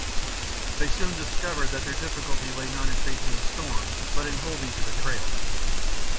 They soon discovered that their difficulty lay not in facing the storm, but in holding to the trail.